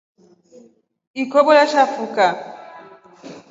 Ikobo iashafuka.